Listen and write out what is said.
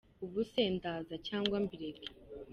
Ubuse ndaza cg mbireke.